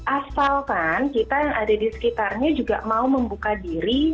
asalkan kita yang ada di sekitarnya juga mau membuka diri